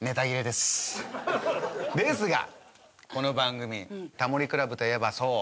ですがこの番組『タモリ倶楽部』といえばそう！